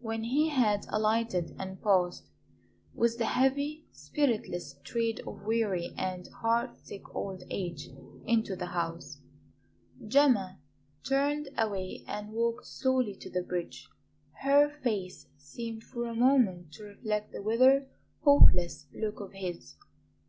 When he had alighted and passed, with the heavy, spiritless tread of weary and heart sick old age, into the house, Gemma turned away and walked slowly to the bridge. Her face seemed for a moment to reflect the withered, hopeless look of his.